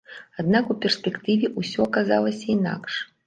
Аднак у перспектыве ўсё аказалася інакш.